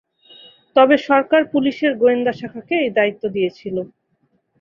তবে সরকার পুলিশের গোয়েন্দা শাখাকে এই দায়িত্ব দিয়েছিল।